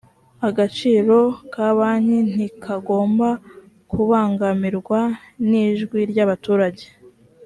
agaciro ka banki ntikagomba kubangamirwa n’ijwi ry’abaturage